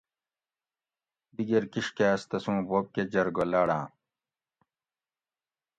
دِگیر کِشکاٞس تسُوں بوب کٞہ جرگہ لاۤڑاٞں